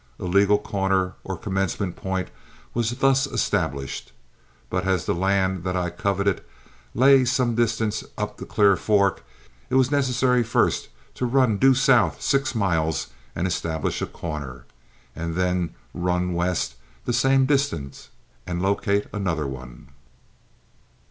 A legal corner or commencement point was thus established; but as the land that I coveted lay some distance up the Clear Fork, it was necessary first to run due south six miles and establish a corner, and thence run west the same distance and locate another one.